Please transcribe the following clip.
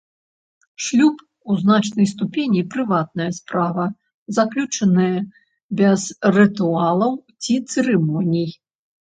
Шлюб у значнай ступені прыватная справа, заключаная без рытуалаў ці цырымоній.